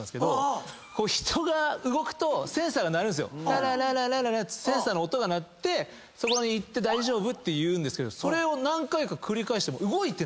「タララララララ」ってセンサーの音が鳴ってそこに行って大丈夫？って言うんですけどそれを何回か繰り返しても。